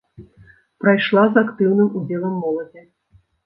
Прайшла з актыўным удзелам моладзі.